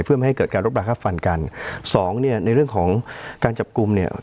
เพื่อไม่ให้เกิดการรบราค่าฟันกันสองเนี่ยในเรื่องของการจับกลุ่มเนี่ย